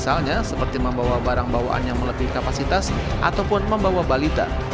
misalnya seperti membawa barang bawaan yang melebihi kapasitas ataupun membawa balita